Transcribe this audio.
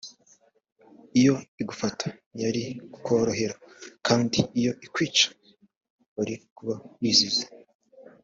iyo igufata ntiyari kukorohera kandi iyo ikwica wari kuba wizize